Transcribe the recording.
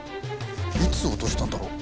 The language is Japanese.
いつ落としたんだろう？